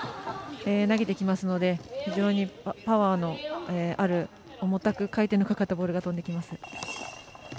全身を使って投げてきますので非常にパワーのある重たく回転のかかったボールが飛んできます。